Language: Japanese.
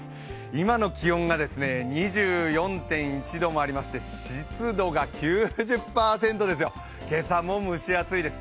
今の気温が２４．１度もありまして湿度が９０％ですよ、今朝も蒸し暑いです。